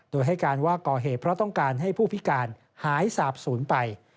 โดยให้การว่าก่อเหตุเพราะต้องการให้ผู้พิการหายสาบศูนย์ไป